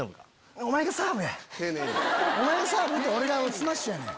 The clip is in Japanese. お前がサーブで俺がスマッシュやねん。